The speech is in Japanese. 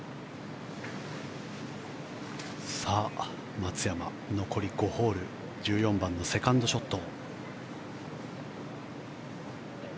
松山、残り５ホール１４番のセカンドショット。